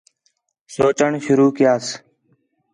سوچوݨ شروع کَیاس